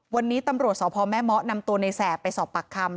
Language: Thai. วันนี้ตำรวจสพแม่เมาะนำตัวในแสบไปสอบปากคำ